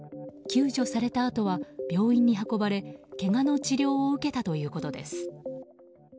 救助されたあとは病院に運ばれけがの治療を受けたということです。